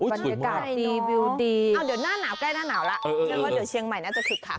บรรยากาศรีวิวดีเอาเดี๋ยวหน้าหนาวใกล้หน้าหนาวแล้วฉันว่าเดี๋ยวเชียงใหม่น่าจะคึกคัก